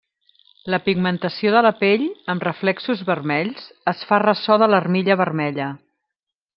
La pigmentació de la pell, amb reflexos vermells, es fa ressò de l'armilla vermella.